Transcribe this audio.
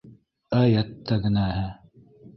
Әй әттәгенәһе...